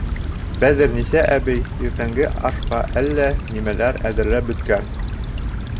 Бәҙерниса әбей иртәнге ашҡа әллә нимәләр әҙерләп бөткән.